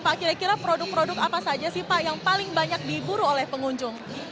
pak kira kira produk produk apa saja sih pak yang paling banyak diburu oleh pengunjung